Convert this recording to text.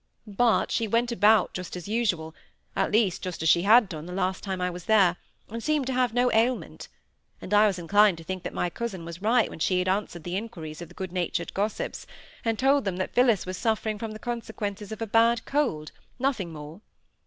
But she went about just as usual; at least, just as she had done the last time I was there, and seemed to have no ailment; and I was inclined to think that my cousin was right when she had answered the inquiries of the good natured gossips, and told them that Phillis was suffering from the consequences of a bad cold, nothing more.